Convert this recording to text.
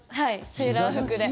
セーラー服で。